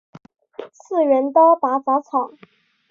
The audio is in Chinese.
次元刀拔杂草